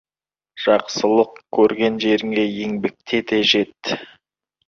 Жақсылық көрген жеріңе еңбекте де жет.